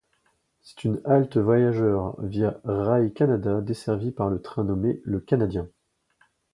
C'est une halte voyageurs Via Rail Canada desservie par le train dénommé Le Canadien.